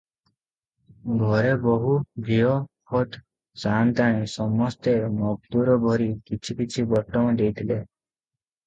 ଘରେ ବୋହୂ, ଝିଅ, ଖୋଦ ସାନ୍ତାଣୀ, ସମସ୍ତେ ମଗଦୁର ଭରି କିଛି କିଛି ବଟମ ଦେଇଥିଲେ ।